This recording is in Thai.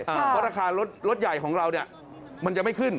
เพราะราคารถใหญ่ของเราเนี่ยมันจะไม่ขึ้น